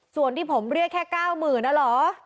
ส่วนที่ผมเรียกแค่๙๐๐นะเหรอ